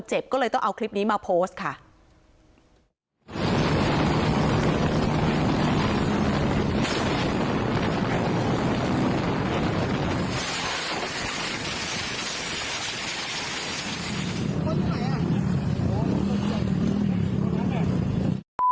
เจ้าเรือเนี่ยก็อยู่ตรงนี้